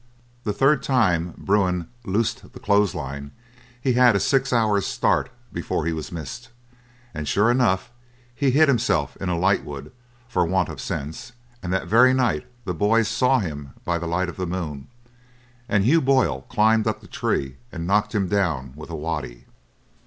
The third time Bruin loosed the clothes line he had a six hours' start before he was missed, and sure enough he hid himself in a lightwood for want of sense, and that very night the boys saw him by the light of the moon, and Hugh Boyle climbed up the tree and knocked him down with a waddy.